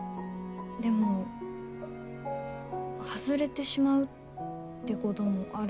でも外れてしまうってこともあるんですよね。